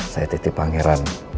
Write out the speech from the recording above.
saya titik pangeran